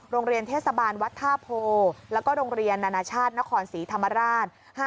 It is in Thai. โรงเรียนเทศบาลวัดท่าโพแล้วก็โรงเรียนนานาชาตินครศรีธรรมราช